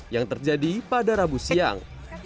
yang terjadi pada rabu siang